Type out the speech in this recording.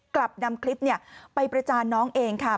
กลับนำคลิปไปประจานน้องเองค่ะ